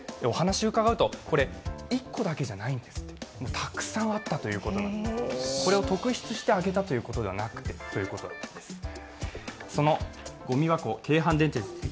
お話を伺うとこれ１個だけじゃないんですってたくさんあったということでこれを特筆して挙げたということではないんです。